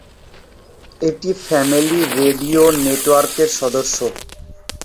এটি family radio নেটওয়ার্কের সদস্য।